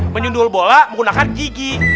menyundul bola menggunakan gigi